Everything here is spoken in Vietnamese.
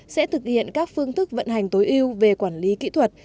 sẽ thực hiện các phương thức vận hành tối ưu về quản lý kỹ thuật